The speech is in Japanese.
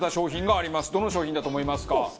どの商品だと思いますか？